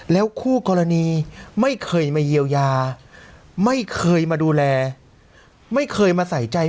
แล้วคู่กรณีไม่เคยมาเยียวยาไม่เคยมาดูแลไม่เคยมาใส่ใจ